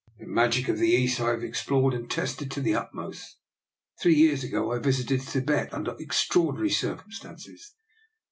The magic of the East I have explored and tested to the utter most. Three years ago I visited Thibet under extraordinary circumstances.